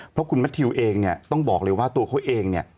เพราะคุณแมททิวเองเนี่ยต้องบอกเลยว่าตัวเขาเองเนี่ย